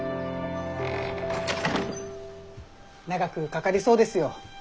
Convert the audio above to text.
長くかかりそうですよ。